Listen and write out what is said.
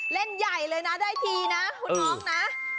เล่นใหญ่เลยนะได้ทีนะคุณน้องนะ